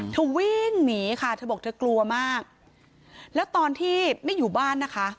วิ่งหนีค่ะเธอบอกเธอกลัวมากแล้วตอนที่ไม่อยู่บ้านนะคะ